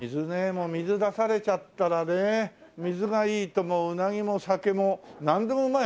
もう水出されちゃったらね水がいいともううなぎも酒もなんでもうまいわお米もね。